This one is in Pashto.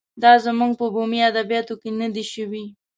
دا زموږ په بومي ادبیاتو کې نه دی شوی.